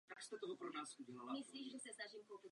Má sestru jménem Holly.